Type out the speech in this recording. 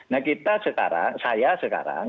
nah kita sekarang saya sekarang